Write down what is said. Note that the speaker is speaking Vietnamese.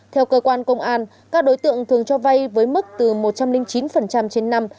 theo cơ quan công an các đối tượng thường cho vay với mức từ một trăm linh chín trên năm